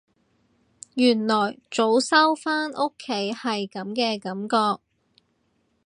原來早收返屋企係噉嘅感覺